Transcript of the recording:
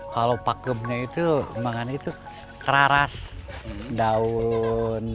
kalau pakemnya itu memang itu keraras daun